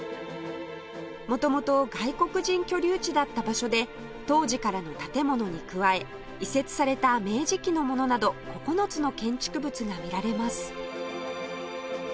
元々外国人居留地だった場所で当時からの建物に加え移設された明治期のものなど９つの建築物が見られます